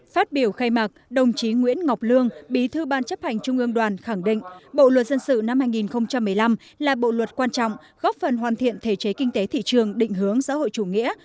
phát biểu khai mạc đồng chí nguyễn ngọc lương bí thư ban chấp hành trung ương đoàn khẳng định bộ luật dân sự năm hai nghìn một mươi năm là bộ luật quan trọng góp phần hoàn thiện thể chế kinh tế thị trường định hướng xã hội chủ nghĩa